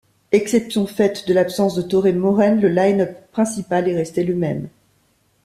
Exception faite de l'absence de Tore Moren, le line-up principal est resté le même.